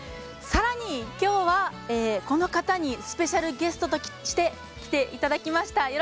さらに、きょうはこの方にスペシャルゲストとして来ていただきました。